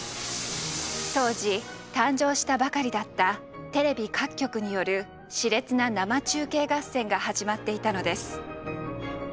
当時誕生したばかりだったテレビ各局による熾烈な生中継合戦が始まっていたのです。